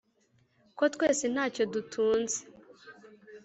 Kuko twese ntacyo dutunze